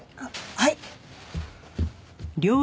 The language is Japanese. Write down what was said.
はい。